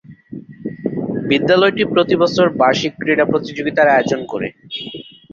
বিদ্যালয়টি প্রতি বছর বার্ষিক ক্রীড়া প্রতিযোগিতার আয়োজন করে।